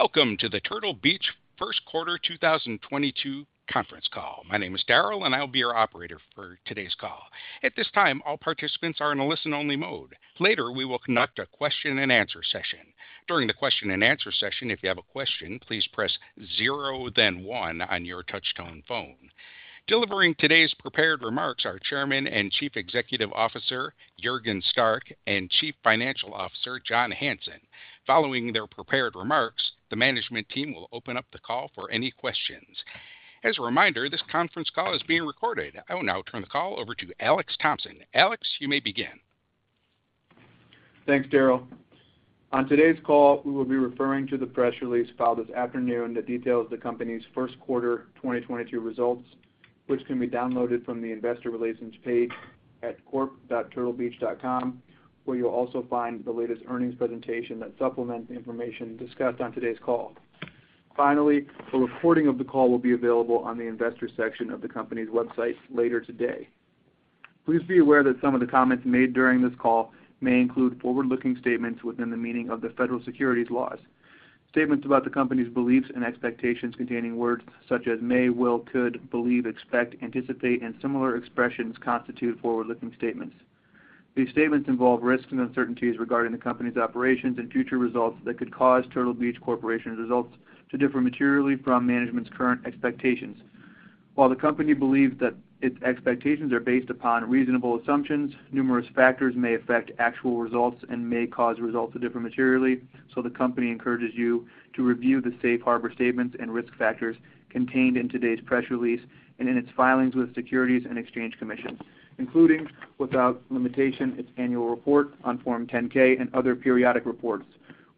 Welcome to the Turtle Beach first quarter 2022 conference call. My name is Daryl, and I'll be your operator for today's call. At this time, all participants are in a listen-only mode. Later, we will conduct a question-and-answer session. During the question-and-answer session, if you have a question, please press zero then one on your touchtone phone. Delivering today's prepared remarks are Chairman and Chief Executive Officer, Juergen Stark, and Chief Financial Officer, John Hanson. Following their prepared remarks, the management team will open up the call for any questions. As a reminder, this conference call is being recorded. I will now turn the call over to Alex Thompson. Alex, you may begin. Thanks, Daryl. On today's call, we will be referring to the press release filed this afternoon that details the company's first quarter 2022 results, which can be downloaded from the investor relations page at corp.turtlebeach.com, where you'll also find the latest earnings presentation that supplements the information discussed on today's call. Finally, the recording of the call will be available on the investor section of the company's website later today. Please be aware that some of the comments made during this call may include forward-looking statements within the meaning of the federal securities laws. Statements about the company's beliefs and expectations containing words such as may, will, could, believe, expect, anticipate, and similar expressions constitute forward-looking statements. These statements involve risks and uncertainties regarding the company's operations and future results that could cause Turtle Beach Corporation results to differ materially from management's current expectations. While the company believes that its expectations are based upon reasonable assumptions, numerous factors may affect actual results and may cause results to differ materially, so the company encourages you to review the safe harbor statements and risk factors contained in today's press release and in its filings with Securities and Exchange Commission, including, without limitation, its annual report on Form 10-K and other periodic reports,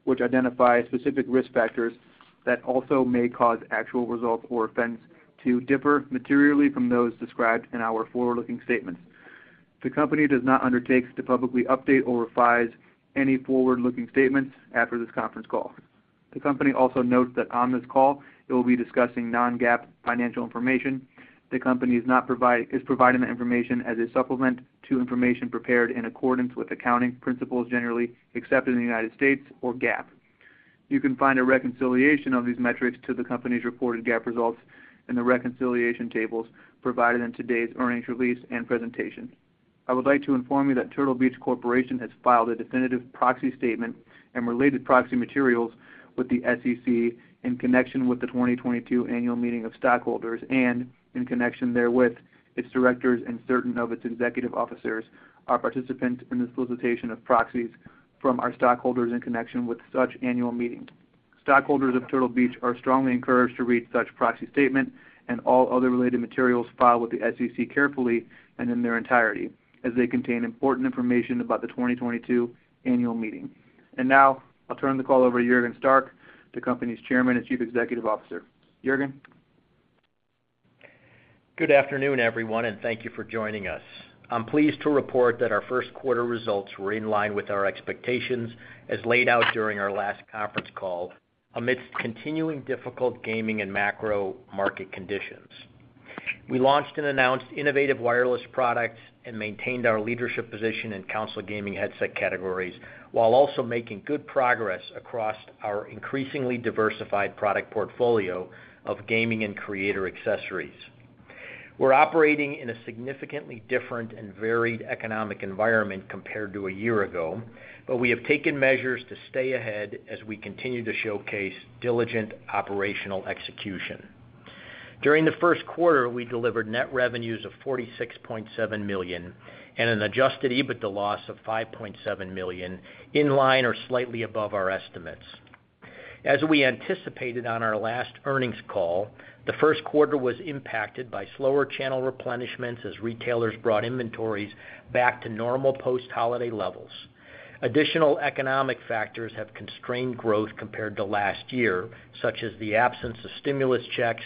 which identify specific risk factors that also may cause actual results or events to differ materially from those described in our forward-looking statements. The company does not undertake to publicly update or revise any forward-looking statements after this conference call. The company also notes that on this call it will be discussing non-GAAP financial information. The company is providing the information as a supplement to information prepared in accordance with accounting principles generally accepted in the United States or GAAP. You can find a reconciliation of these metrics to the company's reported GAAP results in the reconciliation tables provided in today's earnings release and presentation. I would like to inform you that Turtle Beach Corporation has filed a definitive proxy statement and related proxy materials with the SEC in connection with the 2022 annual meeting of stockholders and, in connection therewith, its directors and certain of its executive officers are participants in the solicitation of proxies from our stockholders in connection with such annual meeting. Stockholders of Turtle Beach are strongly encouraged to read such proxy statement and all other related materials filed with the SEC carefully and in their entirety, as they contain important information about the 2022 annual meeting. Now I'll turn the call over to Juergen Stark, the company's Chairman and Chief Executive Officer. Juergen. Good afternoon, everyone, and thank you for joining us. I'm pleased to report that our first quarter results were in line with our expectations as laid out during our last conference call amidst continuing difficult gaming and macro market conditions. We launched and announced innovative wireless products and maintained our leadership position in console gaming headset categories, while also making good progress across our increasingly diversified product portfolio of gaming and creator accessories. We're operating in a significantly different and varied economic environment compared to a year ago, but we have taken measures to stay ahead as we continue to showcase diligent operational execution. During the first quarter, we delivered net revenues of $46.7 million and an Adjusted EBITDA loss of $5.7 million, in line or slightly above our estimates. As we anticipated on our last earnings call, the first quarter was impacted by slower channel replenishments as retailers brought inventories back to normal post-holiday levels. Additional economic factors have constrained growth compared to last year, such as the absence of stimulus checks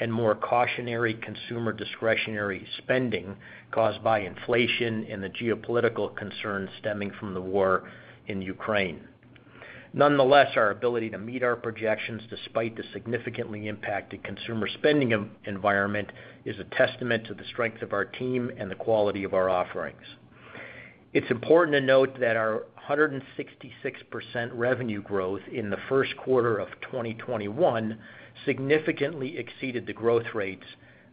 and more cautionary consumer discretionary spending caused by inflation and the geopolitical concerns stemming from the war in Ukraine. Nonetheless, our ability to meet our projections despite the significantly impacted consumer spending environment is a testament to the strength of our team and the quality of our offerings. It's important to note that our 166% revenue growth in the first quarter of 2021 significantly exceeded the growth rates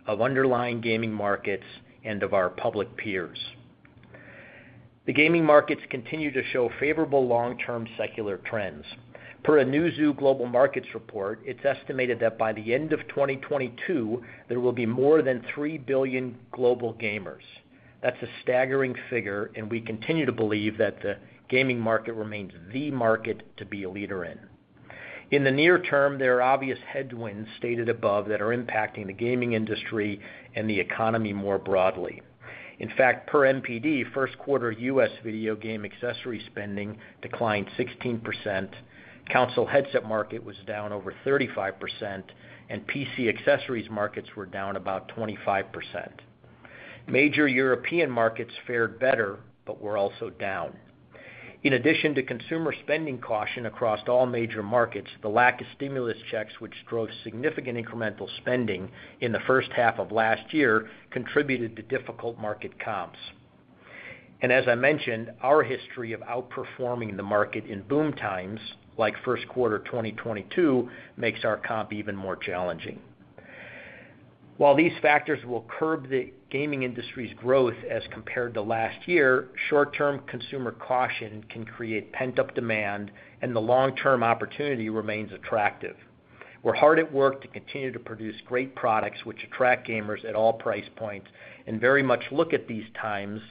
of underlying gaming markets and of our public peers. The gaming markets continue to show favorable long-term secular trends. Per a Newzoo Global Markets report, it's estimated that by the end of 2022, there will be more than 3 billion global gamers. That's a staggering figure, and we continue to believe that the gaming market remains the market to be a leader in. In the near term, there are obvious headwinds stated above that are impacting the gaming industry and the economy more broadly. In fact, per NPD, first quarter U.S. video game accessory spending declined 16%, console headset market was down over 35%, and PC accessories markets were down about 25%. Major European markets fared better, but were also down. In addition to consumer spending caution across all major markets, the lack of stimulus checks, which drove significant incremental spending in the first half of last year, contributed to difficult market comps. As I mentioned, our history of outperforming the market in boom times, like first quarter 2022, makes our comp even more challenging. While these factors will curb the gaming industry's growth as compared to last year, short-term consumer caution can create pent-up demand, and the long-term opportunity remains attractive. We're hard at work to continue to produce great products which attract gamers at all price points and very much look at these times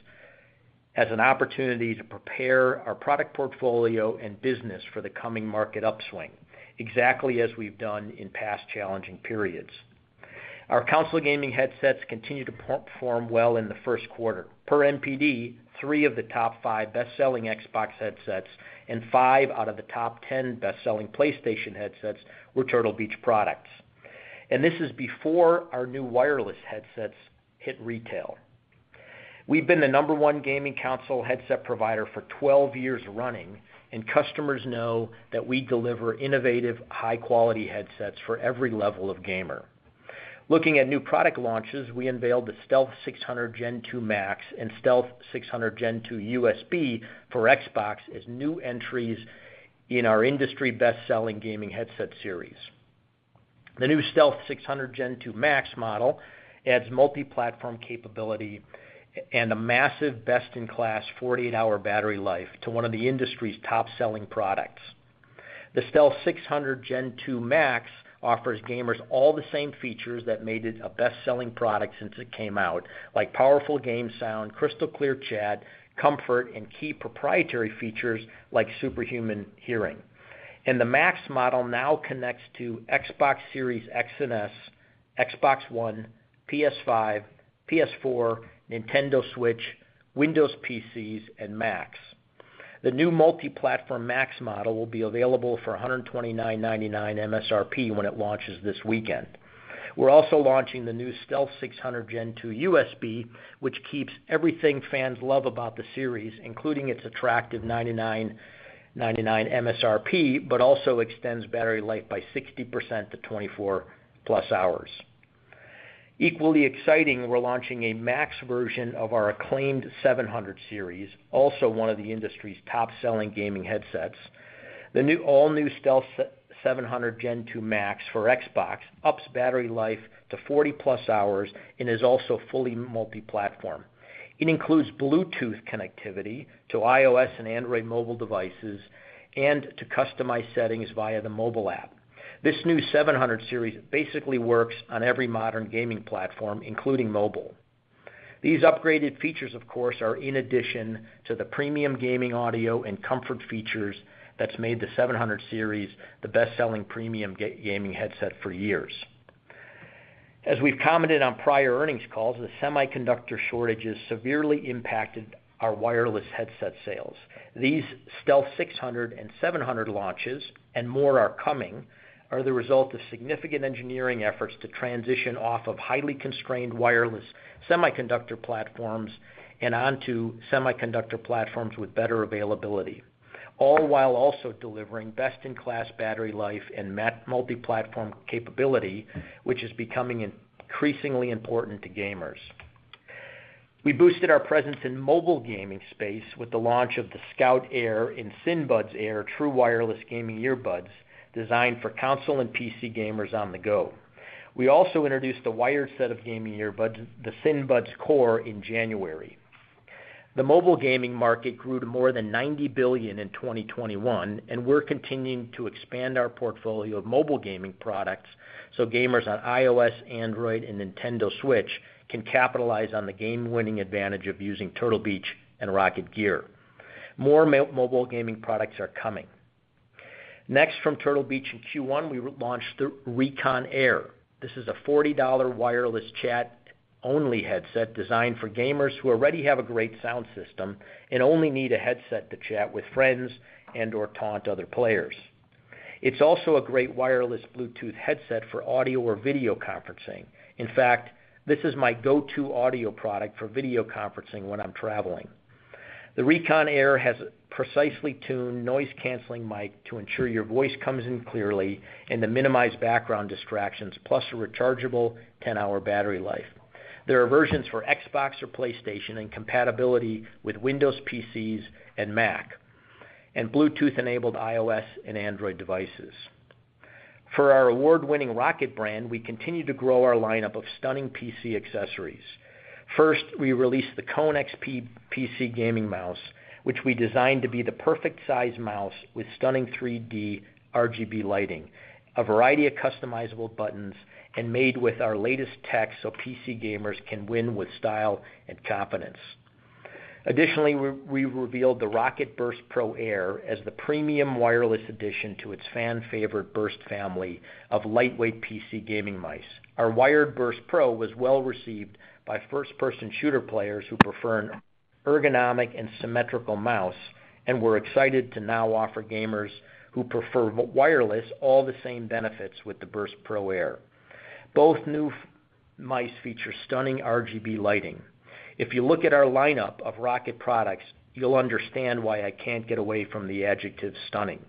as an opportunity to prepare our product portfolio and business for the coming market upswing, exactly as we've done in past challenging periods. Our console gaming headsets continue to perform well in the first quarter. Per NPD, three of the top five best-selling Xbox headsets and five out of the top 10 best-selling PlayStation headsets were Turtle Beach products. This is before our new wireless headsets hit retail. We've been the number one gaming console headset provider for 12 years running, and customers know that we deliver innovative, high-quality headsets for every level of gamer. Looking at new product launches, we unveiled the Stealth 600 Gen 2 MAX and Stealth 600 Gen 2 USB for Xbox as new entries in our industry best-selling gaming headset series. The new Stealth 600 Gen 2 MAX model adds multi-platform capability and a massive best-in-class 48-hour battery life to one of the industry's top-selling products. The Stealth 600 Gen 2 MAX offers gamers all the same features that made it a best-selling product since it came out, like powerful game sound, crystal clear chat, comfort, and key proprietary features like Superhuman Hearing. The Max model now connects to Xbox Series X and S, Xbox One, PS5, PS4, Nintendo Switch, Windows PCs, and Macs. The new multi-platform Max model will be available for $129.99 MSRP when it launches this weekend. We're also launching the new Stealth 600 Gen 2 USB, which keeps everything fans love about the series, including its attractive $99.99 MSRP, but also extends battery life by 60% to 24+ hours. Equally exciting, we're launching a Max version of our acclaimed 700 series, also one of the industry's top-selling gaming headsets. The all-new Stealth 700 Gen 2 MAX for Xbox ups battery life to 40+ hours and is also fully multi-platform. It includes Bluetooth connectivity to iOS and Android mobile devices and to customized settings via the mobile app. This new 700 series basically works on every modern gaming platform, including mobile. These upgraded features, of course, are in addition to the premium gaming audio and comfort features that's made the 700 series the best-selling premium gaming headset for years. As we've commented on prior earnings calls, the semiconductor shortages severely impacted our wireless headset sales. These Stealth 600 and 700 launches, and more are coming, are the result of significant engineering efforts to transition off of highly constrained wireless semiconductor platforms and onto semiconductor platforms with better availability, all while also delivering best-in-class battery life and multi-platform capability, which is becoming increasingly important to gamers. We boosted our presence in mobile gaming space with the launch of the Scout Air and SYN Buds Air true wireless gaming earbuds designed for console and PC gamers on the go. We also introduced a wired set of gaming earbuds, the SYN Buds Core, in January. The mobile gaming market grew to more than $90 billion in 2021, and we're continuing to expand our portfolio of mobile gaming products so gamers on iOS, Android, and Nintendo Switch can capitalize on the game-winning advantage of using Turtle Beach and ROCCAT gear. More mobile gaming products are coming. Next from Turtle Beach in Q1, we launched the Recon Air. This is a $40 wireless chat-only headset designed for gamers who already have a great sound system and only need a headset to chat with friends and/or taunt other players. It's also a great wireless Bluetooth headset for audio or video conferencing. In fact, this is my go-to audio product for video conferencing when I'm traveling. The Recon Air has precisely tuned noise-canceling mic to ensure your voice comes in clearly and to minimize background distractions, plus a rechargeable 10-hour battery life. There are versions for Xbox or PlayStation and compatibility with Windows PCs and Mac and Bluetooth-enabled iOS and Android devices. For our award-winning ROCCAT brand, we continue to grow our lineup of stunning PC accessories. First, we released the Kone XP PC gaming mouse, which we designed to be the perfect size mouse with stunning 3D RGB lighting, a variety of customizable buttons, and made with our latest tech so PC gamers can win with style and confidence. Additionally, we revealed the ROCCAT Burst Pro Air as the premium wireless addition to its fan favorite Burst family of lightweight PC gaming mice. Our wired Burst Pro was well-received by first-person shooter players who prefer an ergonomic and symmetrical mouse, and we're excited to now offer gamers who prefer wireless all the same benefits with the Burst Pro Air. Both new mice feature stunning RGB lighting. If you look at our lineup of ROCCAT products, you'll understand why I can't get away from the adjective stunning.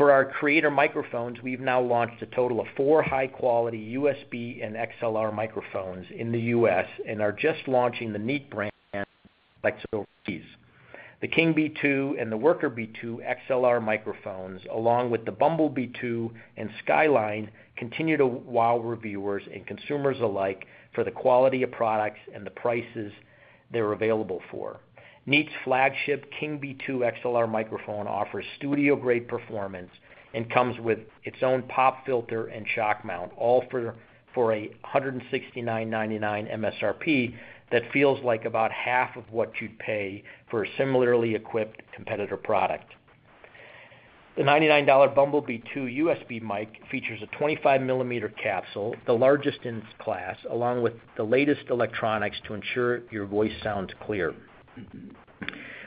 For our creator microphones, we've now launched a total of four high-quality USB and XLR microphones in the U.S., and are just launching the Neat brand flexibilities. The King Bee II and the Worker Bee II XLR microphones along with the Bumblebee II and Skyline continue to wow reviewers and consumers alike for the quality of products and the prices they are available for. Neat's flagship King Bee II XLR microphone offers studio grade performance and comes with its own pop filter and shock mount all for a $169.99 MSRP that feels like about half of what you'd pay for a similarly equipped competitor product. The $99 Bumblebee II USB mic features a 25 mm capsule, the largest in its class, along with the latest electronics to ensure your voice sounds clear.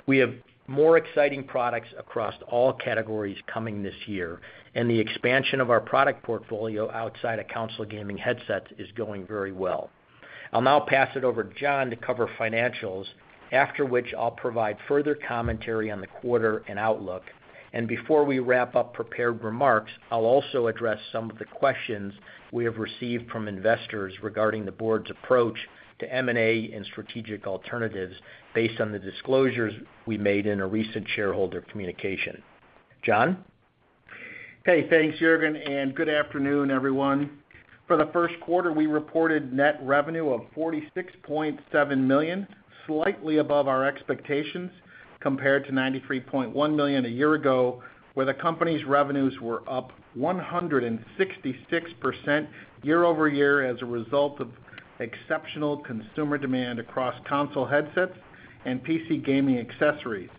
We have more exciting products across all categories coming this year and the expansion of our product portfolio outside of console gaming headsets is going very well. I'll now pass it over John to cover financials after which I'll provide further commentary on the quarter and outlook. And before we wrap up prepared remarks, I'll also address some of the questions we have received from investors regarding the board's approach to M&A and strategic alternatives based on the disclosures we made in a recent shareholder communication. John? Hey, thanks, Juergen, and good afternoon, everyone. For the first quarter, we reported net revenue of $46.7 million, slightly above our expectations compared to $93.1 million a year ago, where the company's revenues were up 166% year-over-year as a result of exceptional consumer demand across console headsets and PC gaming accessories,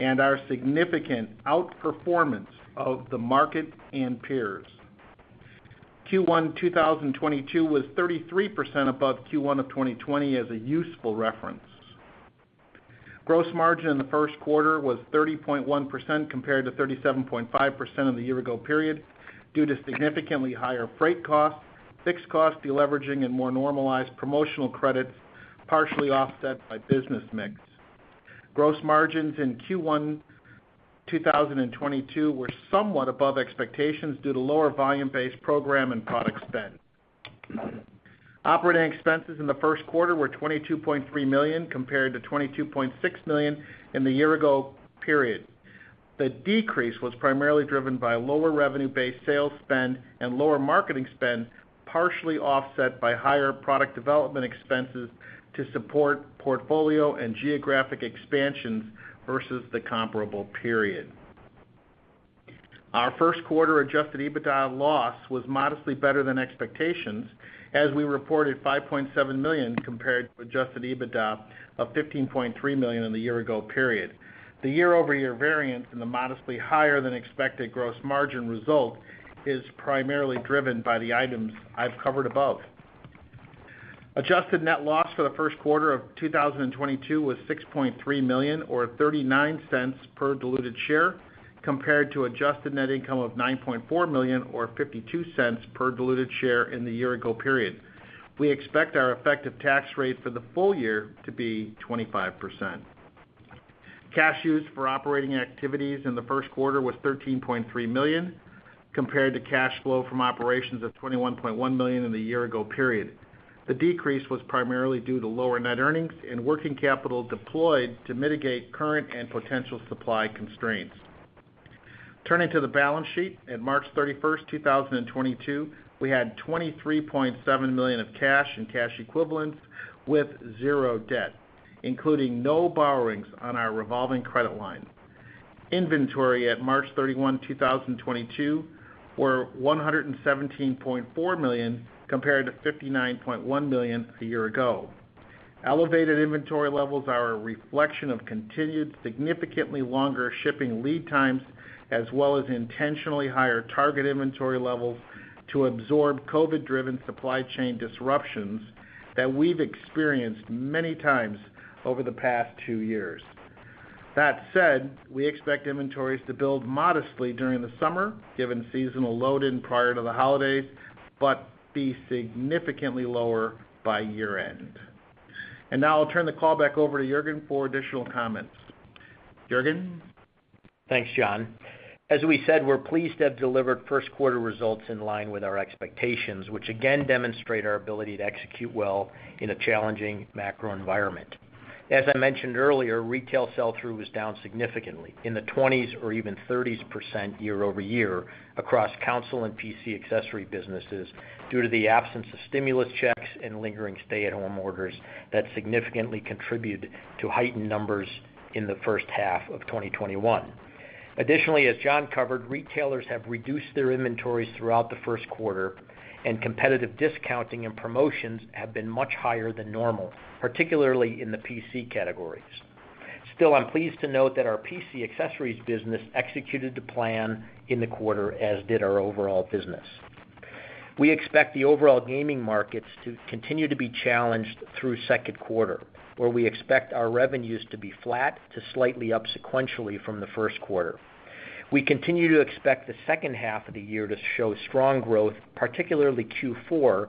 and our significant outperformance of the market and peers. Q1 2022 was 33% above Q1 of 2020 as a useful reference. Gross margin in the first quarter was 30.1% compared to 37.5% of the year ago period, due to significantly higher freight costs, fixed cost deleveraging, and more normalized promotional credits, partially offset by business mix. Gross margins in Q1 2022 were somewhat above expectations due to lower volume-based program and product spend. Operating expenses in the first quarter were $22.3 million compared to $22.6 million in the year-ago period. The decrease was primarily driven by lower revenue-based sales spend and lower marketing spend, partially offset by higher product development expenses to support portfolio and geographic expansions versus the comparable period. Our first quarter Adjusted EBITDA loss was modestly better than expectations as we reported $5.7 million compared to Adjusted EBITDA of $15.3 million in the year-ago period. The year-over-year variance in the modestly higher than expected gross margin result is primarily driven by the items I've covered above. Adjusted net loss for the first quarter of 2022 was $6.3 million or $0.39 per diluted share compared to adjusted net income of $9.4 million or $0.52 per diluted share in the year ago period. We expect our effective tax rate for the full year to be 25%. Cash used for operating activities in the first quarter was $13.3 million compared to cash flow from operations of $21.1 million in the year ago period. The decrease was primarily due to lower net earnings and working capital deployed to mitigate current and potential supply constraints. Turning to the balance sheet, at March 31, 2022, we had $23.7 million of cash and cash equivalents with zero debt, including no borrowings on our revolving credit line. Inventory at March 31, 2022, were $117.4 million compared to $59.1 million a year ago. Elevated inventory levels are a reflection of continued significantly longer shipping lead times as well as intentionally higher target inventory levels to absorb COVID-driven supply chain disruptions that we've experienced many times over the past two years. That said, we expect inventories to build modestly during the summer, given seasonal loading prior to the holidays, but be significantly lower by year-end. Now I'll turn the call back over to Juergen for additional comments. Juergen? Thanks, John. As we said, we're pleased to have delivered first quarter results in line with our expectations, which again demonstrate our ability to execute well in a challenging macro environment. As I mentioned earlier, retail sell-through was down significantly in the 20s or even 30s% year-over-year across console and PC accessory businesses due to the absence of stimulus checks and lingering stay-at-home orders that significantly contribute to heightened numbers in the first half of 2021. Additionally, as John covered, retailers have reduced their inventories throughout the first quarter, and competitive discounting and promotions have been much higher than normal, particularly in the PC categories. Still, I'm pleased to note that our PC accessories business executed the plan in the quarter, as did our overall business. We expect the overall gaming markets to continue to be challenged through second quarter, where we expect our revenues to be flat to slightly up sequentially from the first quarter. We continue to expect the second half of the year to show strong growth, particularly Q4,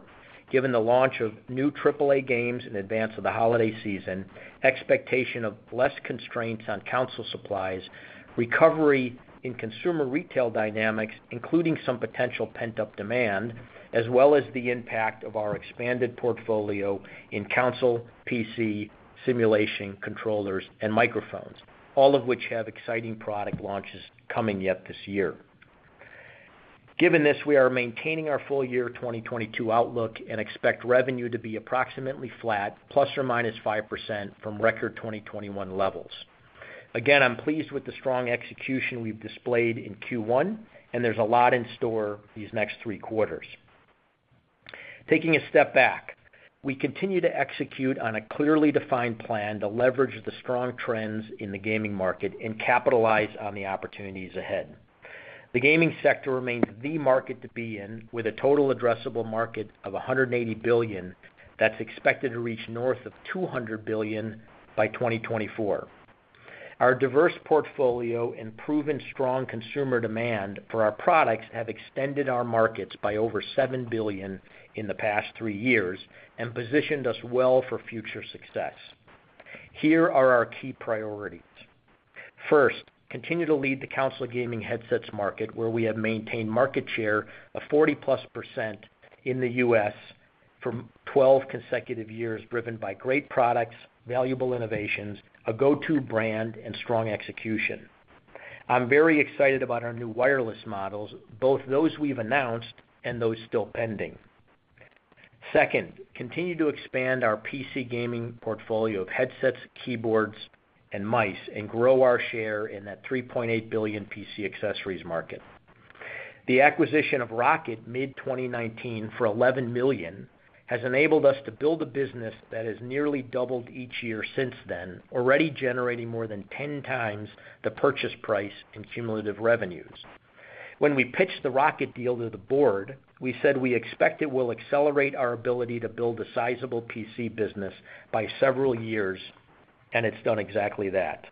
given the launch of new AAA games in advance of the holiday season, expectation of less constraints on console supplies, recovery in consumer retail dynamics, including some potential pent-up demand, as well as the impact of our expanded portfolio in console, PC, simulation, controllers, and microphones, all of which have exciting product launches coming yet this year. Given this, we are maintaining our full-year 2022 outlook and expect revenue to be approximately flat, ±5%, from record 2021 levels. Again, I'm pleased with the strong execution we've displayed in Q1, and there's a lot in store these next three quarters. Taking a step back, we continue to execute on a clearly defined plan to leverage the strong trends in the gaming market and capitalize on the opportunities ahead. The gaming sector remains the market to be in, with a total addressable market of $180 billion that's expected to reach north of $200 billion by 2024. Our diverse portfolio and proven strong consumer demand for our products have extended our markets by over $7 billion in the past three years and positioned us well for future success. Here are our key priorities. First, continue to lead the console gaming headsets market, where we have maintained market share of 40%+ in the U.S. for 12 consecutive years, driven by great products, valuable innovations, a go-to brand, and strong execution. I'm very excited about our new wireless models, both those we've announced and those still pending. Second, continue to expand our PC gaming portfolio of headsets, keyboards, and mice and grow our share in that $3.8 billion PC accessories market. The acquisition of ROCCAT mid-2019 for $11 million has enabled us to build a business that has nearly doubled each year since then, already generating more than 10x the purchase price in cumulative revenues. When we pitched the ROCCAT deal to the board, we said we expect it will accelerate our ability to build a sizable PC business by several years, and it's done exactly that.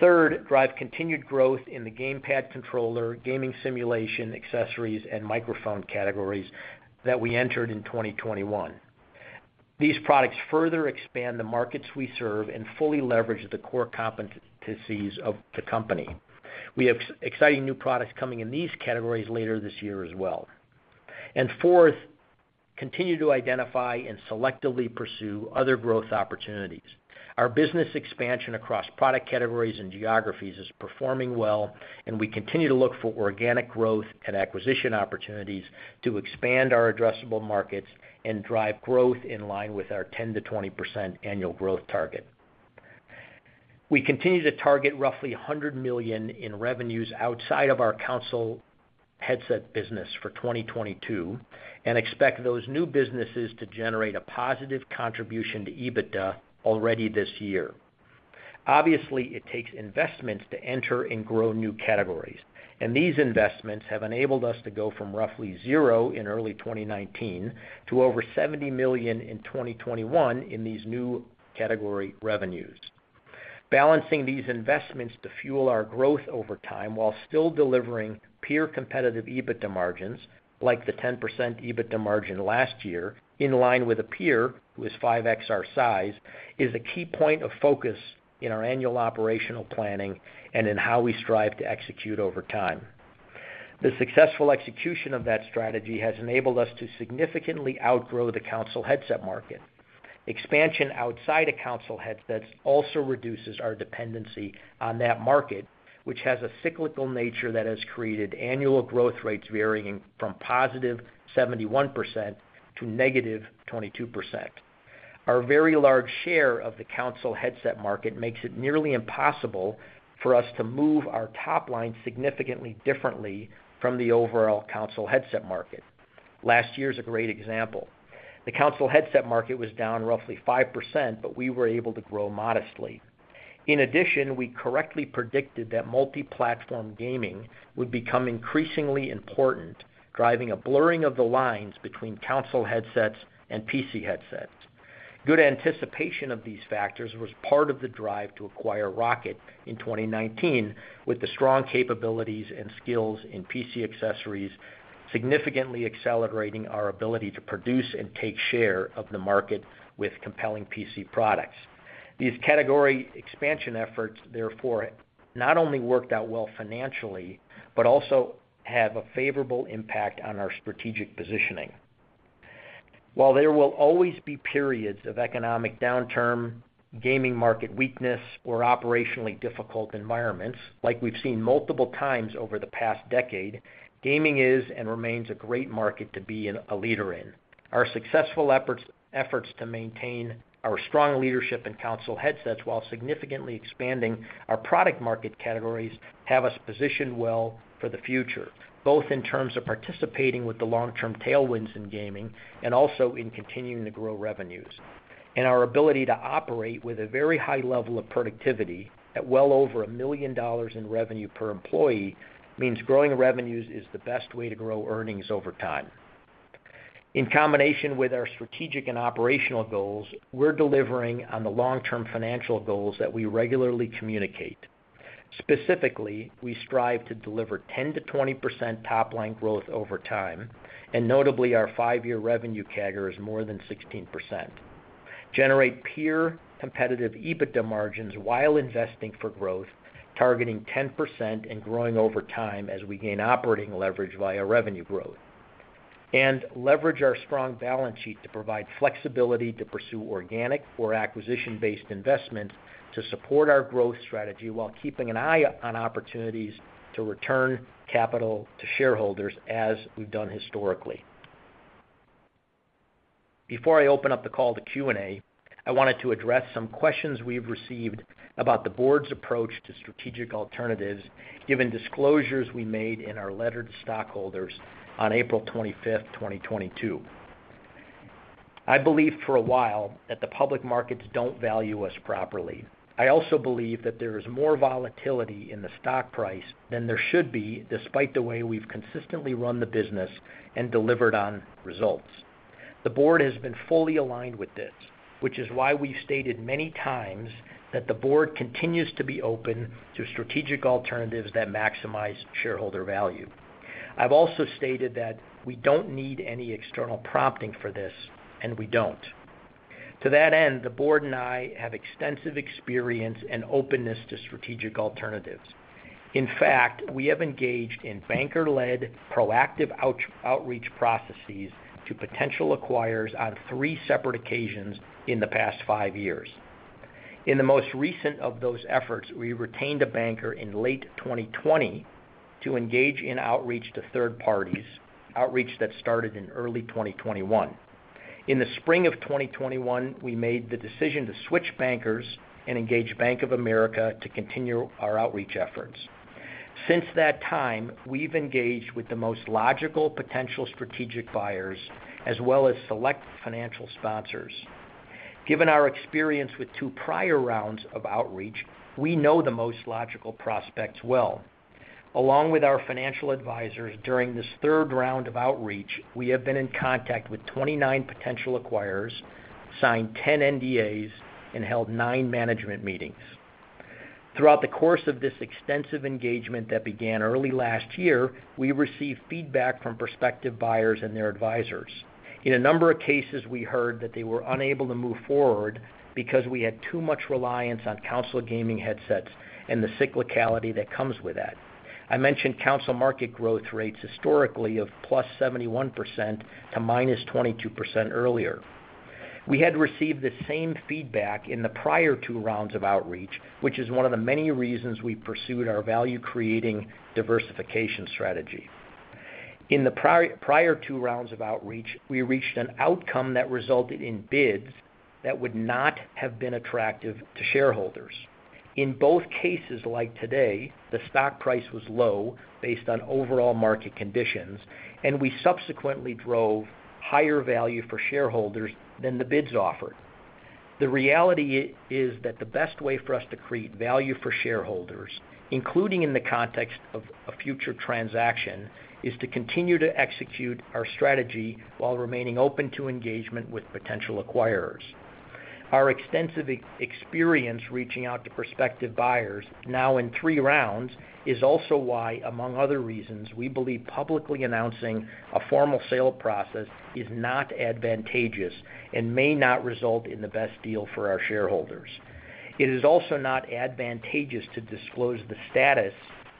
Third, drive continued growth in the gamepad controller, gaming simulation accessories, and microphone categories that we entered in 2021. These products further expand the markets we serve and fully leverage the core competencies of the company. We have exciting new products coming in these categories later this year as well. Fourth, continue to identify and selectively pursue other growth opportunities. Our business expansion across product categories and geographies is performing well, and we continue to look for organic growth and acquisition opportunities to expand our addressable markets and drive growth in line with our 10%-20% annual growth target. We continue to target roughly $100 million in revenues outside of our console headset business for 2022 and expect those new businesses to generate a positive contribution to EBITDA already this year. Obviously, it takes investments to enter and grow new categories, and these investments have enabled us to go from roughly zero in early 2019 to over $70 million in 2021 in these new category revenues. Balancing these investments to fuel our growth over time while still delivering peer competitive EBITDA margins, like the 10% EBITDA margin last year in line with a peer who is 5x our size, is a key point of focus in our annual operational planning and in how we strive to execute over time. The successful execution of that strategy has enabled us to significantly outgrow the console headset market. Expansion outside of console headsets also reduces our dependency on that market, which has a cyclical nature that has created annual growth rates varying from +71% to -22%. Our very large share of the console headset market makes it nearly impossible for us to move our top line significantly differently from the overall console headset market. Last year is a great example. The console headset market was down roughly 5%, but we were able to grow modestly. In addition, we correctly predicted that multi-platform gaming would become increasingly important, driving a blurring of the lines between console headsets and PC headsets. Good anticipation of these factors was part of the drive to acquire ROCCAT in 2019, with the strong capabilities and skills in PC accessories significantly accelerating our ability to produce and take share of the market with compelling PC products. These category expansion efforts, therefore, not only worked out well financially, but also have a favorable impact on our strategic positioning. While there will always be periods of economic downturn, gaming market weakness, or operationally difficult environments, like we've seen multiple times over the past decade, gaming is and remains a great market to be a leader in. Our successful efforts to maintain our strong leadership in console headsets while significantly expanding our product market categories have us positioned well for the future, both in terms of participating with the long-term tailwinds in gaming and also in continuing to grow revenues. Our ability to operate with a very high level of productivity at well over $1 million in revenue per employee means growing revenues is the best way to grow earnings over time. In combination with our strategic and operational goals, we're delivering on the long-term financial goals that we regularly communicate. Specifically, we strive to deliver 10%-20% top-line growth over time, and notably, our five-year revenue CAGR is more than 16%. Generate peer competitive EBITDA margins while investing for growth, targeting 10% and growing over time as we gain operating leverage via revenue growth. Leverage our strong balance sheet to provide flexibility to pursue organic or acquisition-based investment to support our growth strategy while keeping an eye on opportunities to return capital to shareholders as we've done historically. Before I open up the call to Q&A, I wanted to address some questions we've received about the board's approach to strategic alternatives, given disclosures we made in our letter to stockholders on April 25, 2022. I believe for a while that the public markets don't value us properly. I also believe that there is more volatility in the stock price than there should be, despite the way we've consistently run the business and delivered on results. The Board has been fully aligned with this, which is why we've stated many times that the Board continues to be open to strategic alternatives that maximize shareholder value. I've also stated that we don't need any external prompting for this, and we don't. To that end, the Board and I have extensive experience and openness to strategic alternatives. In fact, we have engaged in banker-led proactive outreach processes to potential acquirers on three separate occasions in the past five years. In the most recent of those efforts, we retained a banker in late 2020 to engage in outreach to third parties, outreach that started in early 2021. In the spring of 2021, we made the decision to switch bankers and engage Bank of America to continue our outreach efforts. Since that time, we've engaged with the most logical potential strategic buyers as well as select financial sponsors. Given our experience with two prior rounds of outreach, we know the most logical prospects well. Along with our financial advisors during this third round of outreach, we have been in contact with 29 potential acquirers, signed 10 NDAs, and held nine management meetings. Throughout the course of this extensive engagement that began early last year, we received feedback from prospective buyers and their advisors. In a number of cases, we heard that they were unable to move forward because we had too much reliance on console gaming headsets and the cyclicality that comes with that. I mentioned console market growth rates historically of +71% to -22% earlier. We had received the same feedback in the prior two rounds of outreach, which is one of the many reasons we pursued our value-creating diversification strategy. In the prior two rounds of outreach, we reached an outcome that resulted in bids that would not have been attractive to shareholders. In both cases, like today, the stock price was low based on overall market conditions, and we subsequently drove higher value for shareholders than the bids offered. The reality is that the best way for us to create value for shareholders, including in the context of a future transaction, is to continue to execute our strategy while remaining open to engagement with potential acquirers. Our extensive experience reaching out to prospective buyers now in three rounds is also why, among other reasons, we believe publicly announcing a formal sale process is not advantageous and may not result in the best deal for our shareholders. It is also not advantageous to disclose the status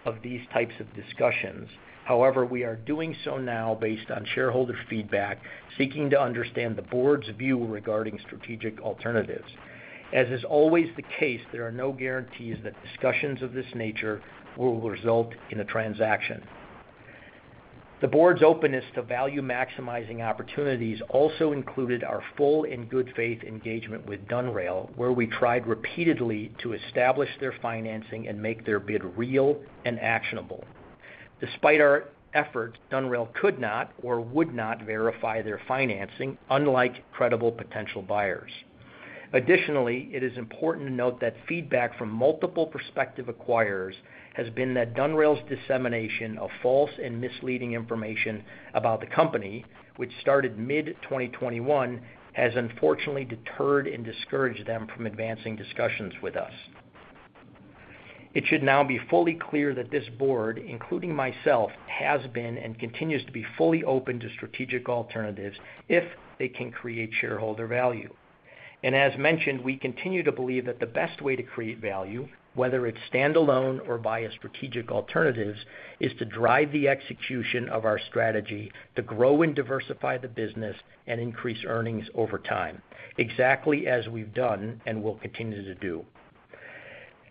of these types of discussions. However, we are doing so now based on shareholder feedback, seeking to understand the board's view regarding strategic alternatives. As is always the case, there are no guarantees that discussions of this nature will result in a transaction. The Board's openness to value-maximizing opportunities also included our full and good faith engagement with Donerail, where we tried repeatedly to establish their financing and make their bid real and actionable. Despite our efforts, Donerail could not or would not verify their financing, unlike credible potential buyers. Additionally, it is important to note that feedback from multiple prospective acquirers has been that Donerail's dissemination of false and misleading information about the company, which started mid-2021, has unfortunately deterred and discouraged them from advancing discussions with us. It should now be fully clear that this Board, including myself, has been and continues to be fully open to strategic alternatives if they can create shareholder value. As mentioned, we continue to believe that the best way to create value, whether it's stand-alone or via strategic alternatives, is to drive the execution of our strategy to grow and diversify the business and increase earnings over time. Exactly as we've done and will continue to do.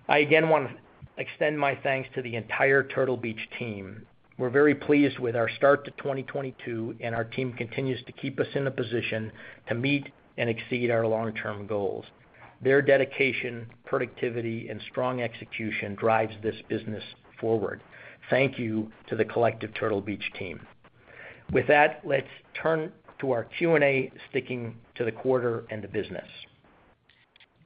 I again want to extend my thanks to the entire Turtle Beach team. We're very pleased with our start to 2022, and our team continues to keep us in a position to meet and exceed our long-term goals. Their dedication, productivity, and strong execution drives this business forward. Thank you to the collective Turtle Beach team. With that, let's turn to our Q&A, sticking to the quarter and the business.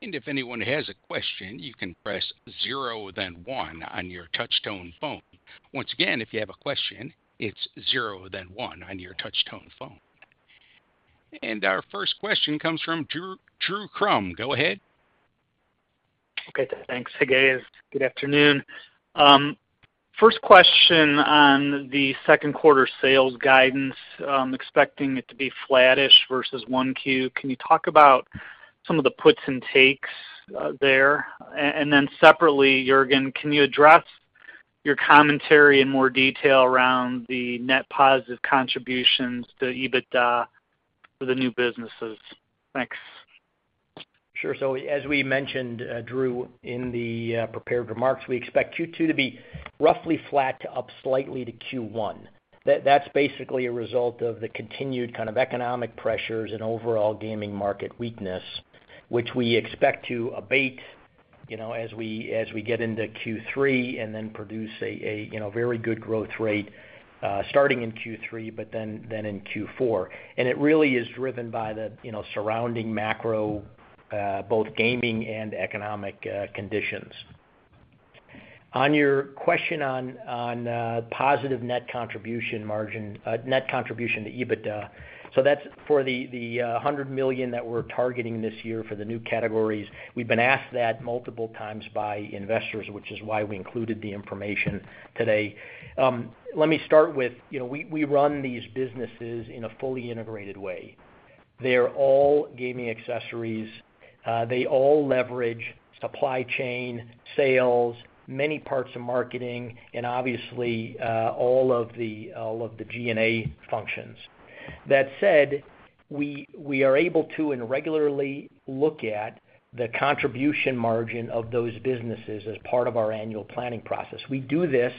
If anyone has a question, you can press zero then one on your touchtone phone. Once again, if you have a question, it's zero then one on your touchtone phone. Our first question comes from Drew Crum. Go ahead. Okay. Thanks. Hey, guys. Good afternoon. First question on the second quarter sales guidance, expecting it to be flattish versus 1Q. Can you talk about some of the puts and takes there? And then separately, Juergen, can you address your commentary in more detail around the net positive contributions to EBITDA for the new businesses? Thanks. Sure. As we mentioned, Drew, in the prepared remarks, we expect Q2 to be roughly flat to up slightly to Q1. That's basically a result of the continued kind of economic pressures and overall gaming market weakness, which we expect to abate, you know, as we get into Q3 and then produce a very good growth rate, starting in Q3 but then in Q4. It really is driven by the, you know, surrounding macro, both gaming and economic conditions. On your question on positive net contribution margin, net contribution to EBITDA, so that's for the $100 million that we're targeting this year for the new categories. We've been asked that multiple times by investors, which is why we included the information today. Let me start with, you know, we run these businesses in a fully integrated way. They're all gaming accessories. They all leverage supply chain, sales, many parts of marketing and obviously, all of the G&A functions. That said, we are able to and regularly look at the contribution margin of those businesses as part of our annual planning process. We do this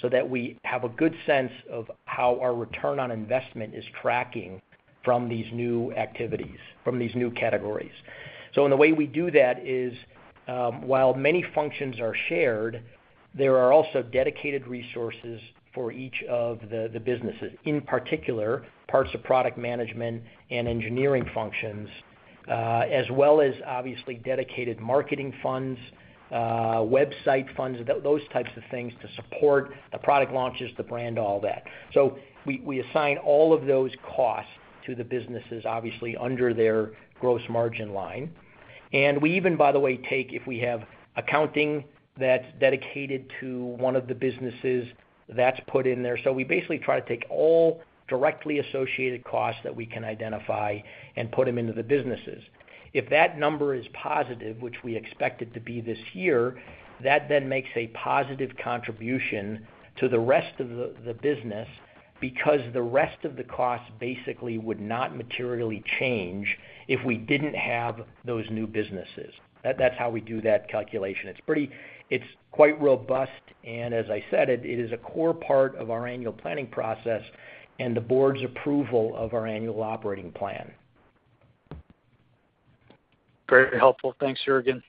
so that we have a good sense of how our return on investment is tracking from these new activities, from these new categories. The way we do that is, while many functions are shared, there are also dedicated resources for each of the businesses, in particular, parts of product management and engineering functions, as well as obviously dedicated marketing funds, website funds, those types of things to support the product launches, the brand, all that. We assign all of those costs to the businesses, obviously under their gross margin line. We even, by the way, take if we have accounting that's dedicated to one of the businesses, that's put in there. We basically try to take all directly associated costs that we can identify and put them into the businesses. If that number is positive, which we expect it to be this year, that then makes a positive contribution to the rest of the business because the rest of the cost basically would not materially change if we didn't have those new businesses. That's how we do that calculation. It's quite robust, and as I said, it is a core part of our annual planning process and the board's approval of our annual operating plan. Very helpful. Thanks, Juergen.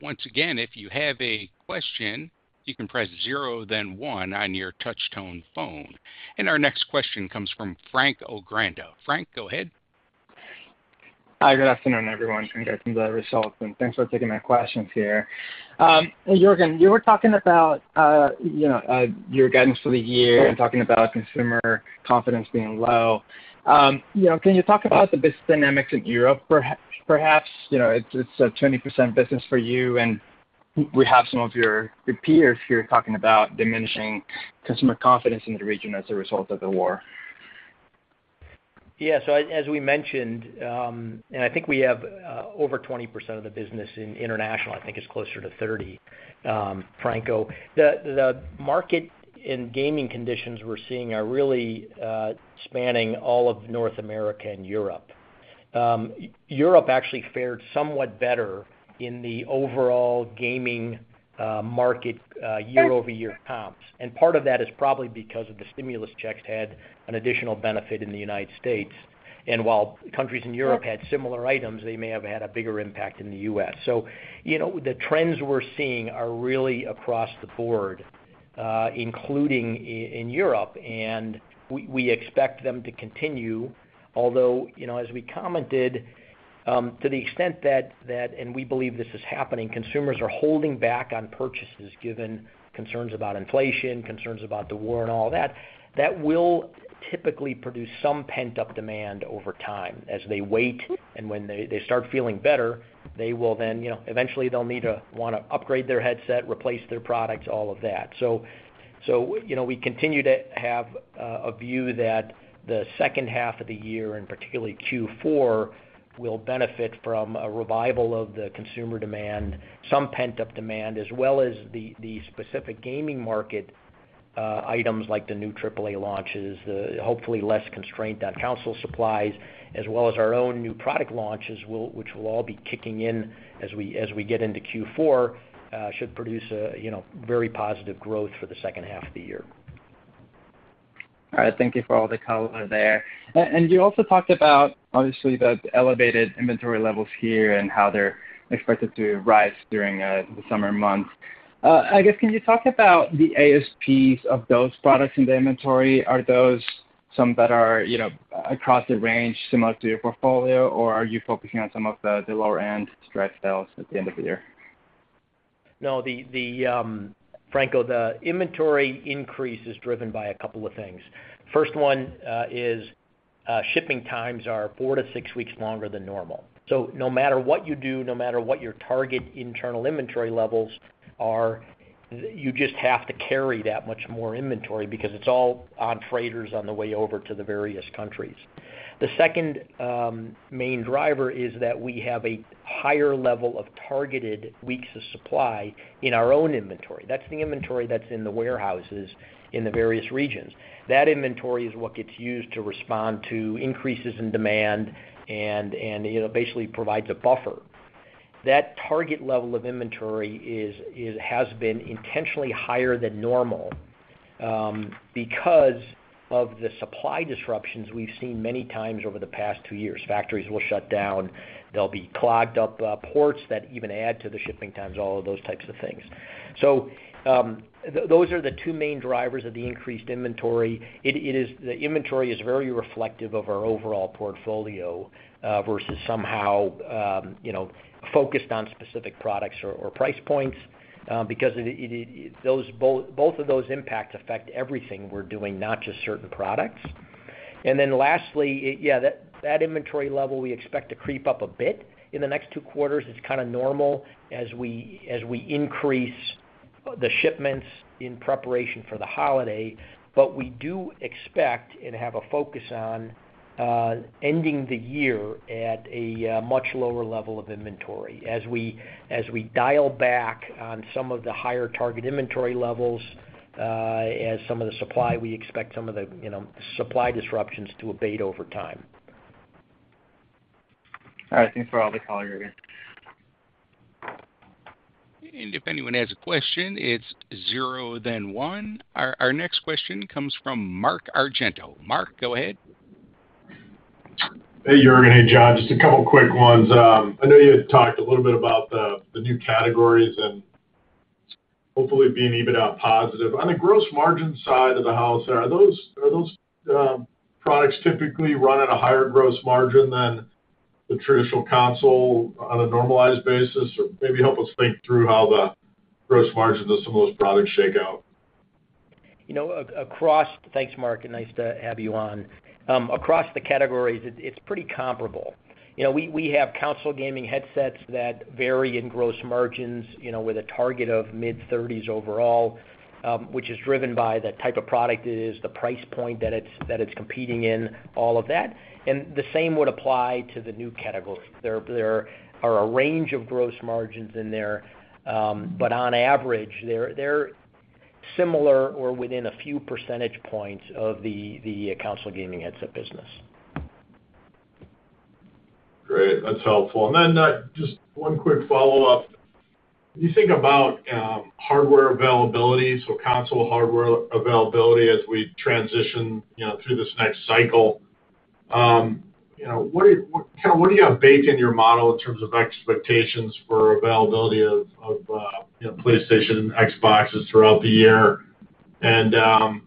Once again, if you have a question, you can press zero then one on your touchtone phone. Our next question comes from Franco Granda. Frank, go ahead. Hi, good afternoon, everyone. Congratulations on the results, and thanks for taking my questions here. Juergen, you were talking about, you know, your guidance for the year and talking about consumer confidence being low. You know, can you talk about the business dynamics in Europe perhaps? You know, it's a 20% business for you, and we have some of your peers here talking about diminishing customer confidence in the region as a result of the war. Yeah. As we mentioned, and I think we have over 20% of the business in international. I think it's closer to 30%, Franco. The market and gaming conditions we're seeing are really spanning all of North America and Europe. Europe actually fared somewhat better in the overall gaming market year-over-year comps. Part of that is probably because of the stimulus checks had an additional benefit in the United States. While countries in Europe had similar items, they may have had a bigger impact in the U.S. You know, the trends we're seeing are really across the board, including in Europe, and we expect them to continue, although, you know, as we commented, to the extent that and we believe this is happening, consumers are holding back on purchases given concerns about inflation, concerns about the war and all that will typically produce some pent-up demand over time as they wait. When they start feeling better, they will then, you know, eventually they'll need to wanna upgrade their headset, replace their products, all of that. You know, we continue to have a view that the second half of the year, and particularly Q4, will benefit from a revival of the consumer demand, some pent-up demand, as well as the specific gaming market items like the new AAA launches, the hopefully less constraint on console supplies, as well as our own new product launches which will all be kicking in as we get into Q4 should produce, you know, very positive growth for the second half of the year. All right. Thank you for all the color there. You also talked about obviously the elevated inventory levels here and how they're expected to rise during the summer months. I guess can you talk about the ASPs of those products in the inventory? Are those some that are, you know, across the range similar to your portfolio, or are you focusing on some of the lower end to drive sales at the end of the year? No, Franco, the inventory increase is driven by a couple of things. First one is shipping times are four-six weeks longer than normal. No matter what you do, no matter what your target internal inventory levels are, you just have to carry that much more inventory because it's all on freighters on the way over to the various countries. The second main driver is that we have a higher level of targeted weeks of supply in our own inventory. That's the inventory that's in the warehouses in the various regions. That inventory is what gets used to respond to increases in demand and you know, basically provides a buffer. That target level of inventory is. It has been intentionally higher than normal because of the supply disruptions we've seen many times over the past two years. Factories will shut down, there'll be clogged up ports that even add to the shipping times, all of those types of things. Those are the two main drivers of the increased inventory. The inventory is very reflective of our overall portfolio, versus somehow, you know, focused on specific products or price points, because both of those impacts affect everything we're doing, not just certain products. Lastly, that inventory level we expect to creep up a bit in the next two quarters. It's kind of normal as we increase the shipments in preparation for the holiday. We do expect and have a focus on ending the year at a much lower level of inventory as we dial back on some of the higher target inventory levels. We expect some of the, you know, supply disruptions to abate over time. All right. Thanks for all the color, Juergen. If anyone has a question, it's zero, then one. Our next question comes from Mark Argento. Mark, go ahead. Hey, Juergen. Hey, John. Just a couple of quick ones. I know you had talked a little bit about the new categories and hopefully being EBITDA positive. On the gross margin side of the house, are those products typically run at a higher gross margin than the traditional console on a normalized basis? Or maybe help us think through how the gross margin does some of those products shake out. You know, thanks, Mark, and nice to have you on. Across the categories, it's pretty comparable. You know, we have console gaming headsets that vary in gross margins, you know, with a target of mid-30s overall, which is driven by the type of product it is, the price point that it's competing in, all of that. The same would apply to the new categories. There are a range of gross margins in there, but on average, they're similar or within a few percentage points of the console gaming headset business. Great. That's helpful. Then, just one quick follow-up. When you think about hardware availability, so console hardware availability as we transition, you know, through this next cycle, you know, what do you have baked in your model in terms of expectations for availability of, you know, PlayStation and Xboxes throughout the year? You know,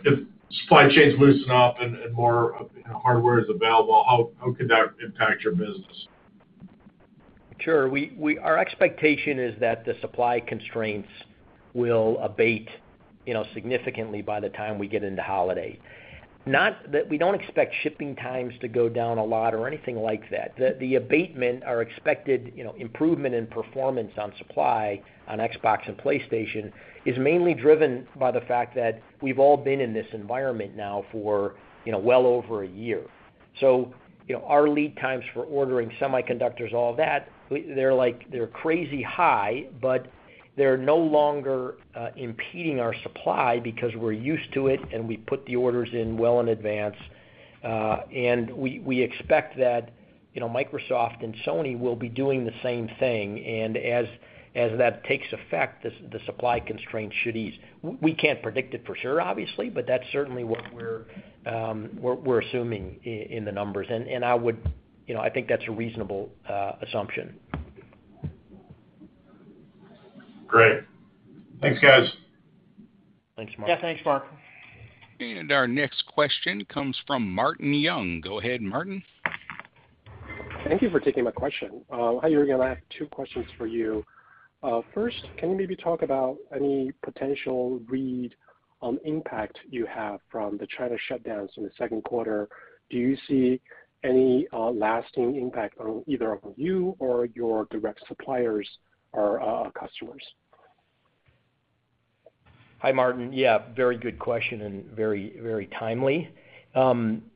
if supply chains loosen up and more, you know, hardware is available, how could that impact your business? Sure. Our expectation is that the supply constraints will abate, you know, significantly by the time we get into holiday. Not that we don't expect shipping times to go down a lot or anything like that. The abatement, our expected, you know, improvement in performance on supply on Xbox and PlayStation is mainly driven by the fact that we've all been in this environment now for, you know, well over a year. Our lead times for ordering semiconductors, all that, they're like, they're crazy high, but they're no longer impeding our supply because we're used to it, and we put the orders in well in advance. We expect that, you know, Microsoft and Sony will be doing the same thing. As that takes effect, the supply constraints should ease. We can't predict it for sure, obviously, but that's certainly what we're assuming in the numbers. I would, you know, I think that's a reasonable assumption. Great. Thanks, guys. Thanks, Mark. Yeah. Thanks, Mark. Our next question comes from Martin Yang. Go ahead, Martin. Thank you for taking my question. Hi, Juergen. I have two questions for you. First, can you maybe talk about any potential read on impact you have from the China shutdowns in the second quarter? Do you see any lasting impact on either of you or your direct suppliers or, customers? Hi, Martin. Yeah, very good question and very, very timely.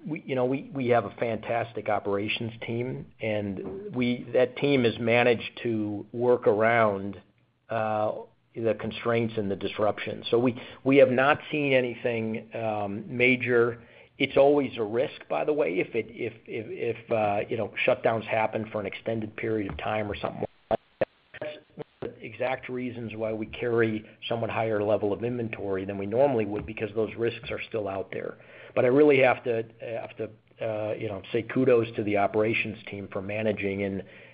We have a fantastic operations team, and that team has managed to work around the constraints and the disruptions. So we have not seen anything major. It's always a risk, by the way, if you know, shutdowns happen for an extended period of time or something. That's the exact reason why we carry somewhat higher level of inventory than we normally would because those risks are still out there. But I really have to, you know, say kudos to the operations team for managing.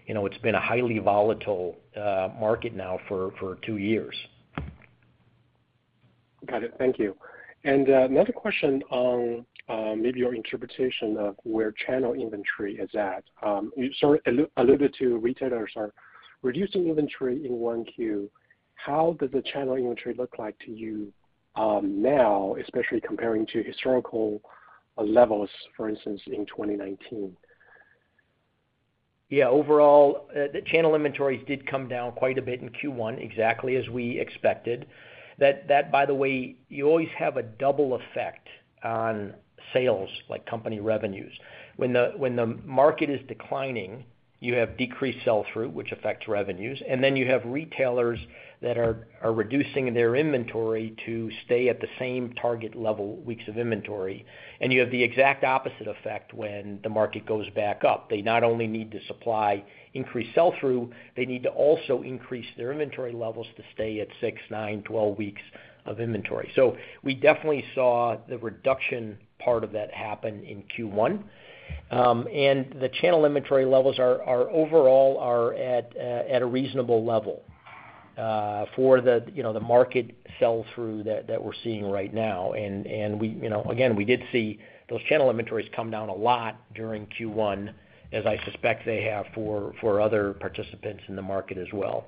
You know, it's been a highly volatile market now for two years. Got it. Thank you. Another question on maybe your interpretation of where channel inventory is at. You sort of alluded to retailers are reducing inventory in Q1. How does the channel inventory look like to you now, especially comparing to historical levels, for instance, in 2019? Yeah. Overall, the channel inventories did come down quite a bit in Q1, exactly as we expected. That by the way, you always have a double effect on sales, like company revenues. When the market is declining, you have decreased sell-through, which affects revenues, and then you have retailers that are reducing their inventory to stay at the same target level, weeks of inventory. You have the exact opposite effect when the market goes back up. They not only need to supply increased sell-through, they need to also increase their inventory levels to stay at six, nine, 12 weeks of inventory. We definitely saw the reduction part of that happen in Q1. The channel inventory levels are overall at a reasonable level for the, you know, the market sell-through that we're seeing right now. We, you know, again, we did see those channel inventories come down a lot during Q1, as I suspect they have for other participants in the market as well.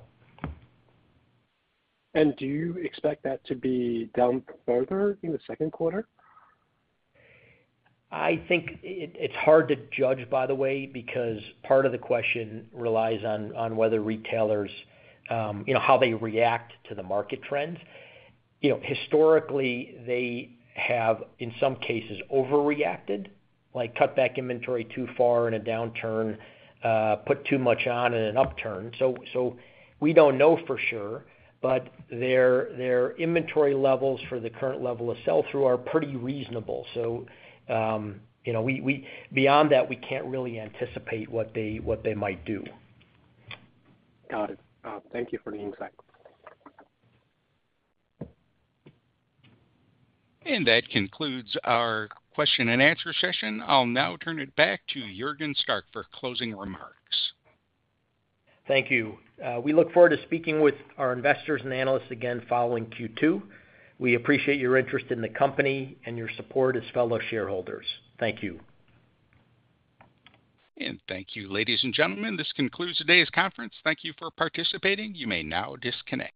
Do you expect that to be down further in the second quarter? I think it's hard to judge, by the way, because part of the question relies on whether retailers, you know, how they react to the market trends. You know, historically, they have in some cases overreacted, like cut back inventory too far in a downturn, put too much on in an upturn. We don't know for sure, but their inventory levels for the current level of sell-through are pretty reasonable. You know, beyond that, we can't really anticipate what they might do. Got it. Thank you for the insight. That concludes our question and answer session. I'll now turn it back to Juergen Stark for closing remarks. Thank you. We look forward to speaking with our investors and analysts again following Q2. We appreciate your interest in the company and your support as fellow shareholders. Thank you. Thank you, ladies and gentlemen. This concludes today's conference. Thank you for participating. You may now disconnect.